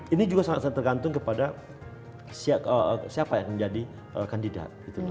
ini juga sangat sangat tergantung kepada siapa yang menjadi kandidat